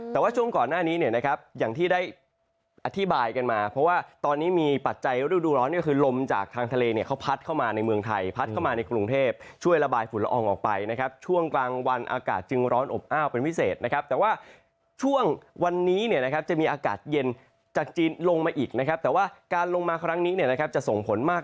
แต่ว่าช่วงก่อนหน้านี้เนี่ยนะครับอย่างที่ได้อธิบายกันมาเพราะว่าตอนนี้มีปัจจัยรูดร้อนก็คือลมจากทางทะเลเนี่ยเขาพัดเข้ามาในเมืองไทยพัดเข้ามาในกรุงเทพช่วยระบายฝุ่นละอองออกไปนะครับช่วงกลางวันอากาศจึงร้อนอบอ้าวเป็นวิเศษนะครับแต่ว่าช่วงวันนี้เนี่ยนะครับจะมีอากาศเย็นจากจีนลงมา